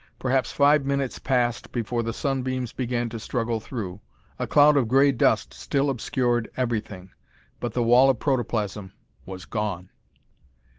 Perhaps five minutes passed before the sunbeams began to struggle through. A cloud of grey dust still obscured everything. But the wall of protoplasm was gone!